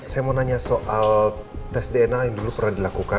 saya mau nanya soal tes dna yang dulu pernah dilakukan